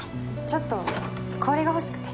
ちょっと氷が欲しくて。